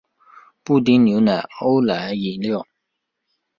布丁牛奶欧蕾饮料